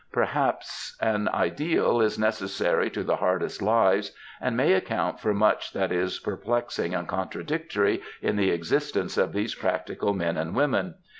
Perhaps an ideal is necessary to the hardest lives, and may account for much that is per plexing and contradictory in the existence of these prcu; tical men and women.